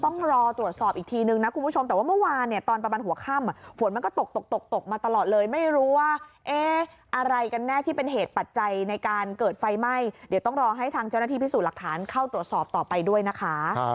ในการเกิดไฟไหม้เดี๋ยวต้องรอให้ทางเจ้าหน้าที่พิสูจน์หลักฐานเข้าตรวจสอบต่อไปด้วยนะคะ